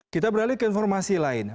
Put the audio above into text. kita beralih ke informasi lain